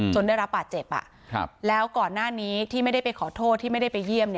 ได้รับบาดเจ็บแล้วก่อนหน้านี้ที่ไม่ได้ไปขอโทษที่ไม่ได้ไปเยี่ยม